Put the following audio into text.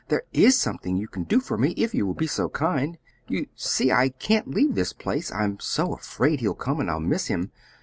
There IS something you can do for me, if you will be so kind. You see, I can't leave this place, I'm so afraid he'll come and I'll miss him.